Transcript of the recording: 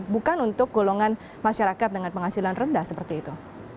bukan untuk golongan masyarakat dengan penghasilan rendah seperti itu